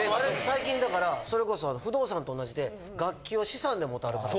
最近だからそれこそ不動産と同じで楽器を資産で持たれる方も。